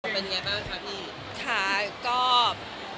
เป็นยังไงบ้างคะพี่